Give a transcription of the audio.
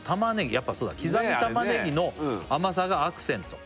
やっぱそうだ「刻みタマネギの甘さがアクセント」